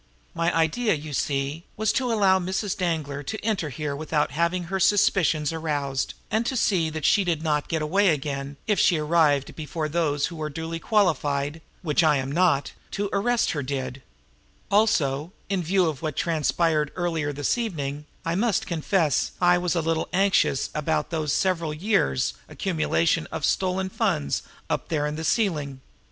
My idea, you see, was to allow Mrs. Danglar to enter here without having her suspicions aroused, and to see that she did not get away again if she arrived before those who are duly qualified which I am not to arrest her did; also, in view of what transpired earlier this evening, I must confess I was a little anxious about those several years' accumulation of stolen funds up there in the ceiling.